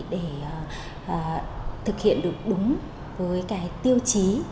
để thực hiện được đúng với tiêu chí